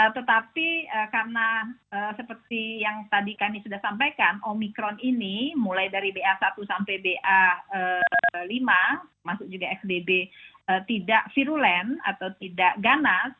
tetapi karena seperti yang tadi kami sudah sampaikan omikron ini mulai dari ba satu sampai ba lima masuk juga xbb tidak virulen atau tidak ganas